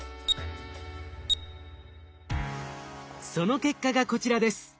その結果がこちらです。